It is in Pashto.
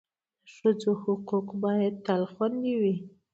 د ښځو حقوق باید تل خوندي وي.